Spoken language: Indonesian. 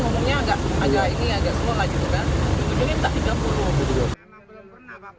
ngomongnya agak ini agak semua lah gitu kan